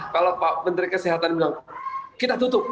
kalau pak menteri kesehatan bilang kita tutup